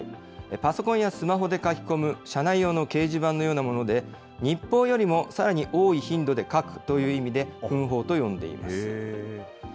パソコンやスマホで書き込む社内用の掲示板のようなもので、日報よりもさらに多い頻度で書くという意味で、分報と呼んでいます。